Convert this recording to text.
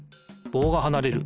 ぼうがはなれる。